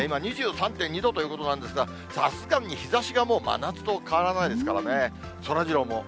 今、２３．２度ということなんですが、さすがに日ざしがもう、真夏と変わらないですからね。